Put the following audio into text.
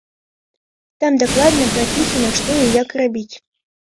Там дакладна прапісана, што і як рабіць.